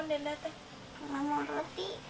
denda berhubungan dengan allah